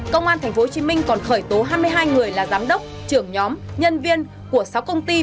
công an tp hcm còn khởi tố hai mươi hai người là giám đốc trưởng nhóm nhân viên của sáu công ty